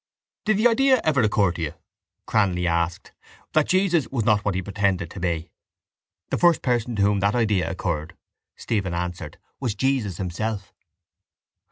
—Did the idea ever occur to you, Cranly asked, that Jesus was not what he pretended to be? —The first person to whom that idea occurred, Stephen answered, was Jesus himself.